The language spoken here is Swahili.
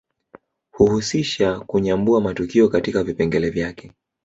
Huhusisha kunyambua matukio katika vipengele vyake